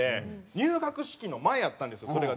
入学式の前やったんですよそれが。